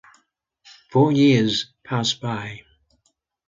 Four years pass by.